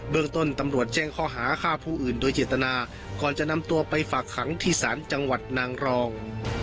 เรื่องต้นตำรวจแจ้งข้อหาฆ่าผู้อื่นโดยเจตนาก่อนจะนำตัวไปฝากขังที่ศาลจังหวัดนางรอง